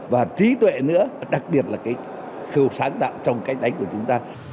và trí tuệ nữa đặc biệt là cái sự sáng tạo trong cách đánh của chúng ta